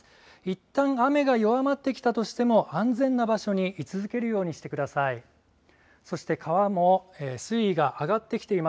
いったん雨が弱まってきたとしても、安全な場所に居続けるようにしてください。